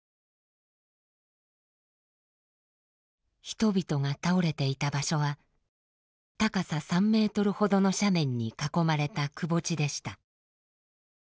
人々が倒れていた場所は高さ３ｍほどの斜面に囲まれたくぼ地でした。